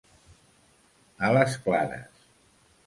A les clares.